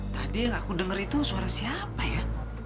tadi yang aku dengar itu suara siapa ya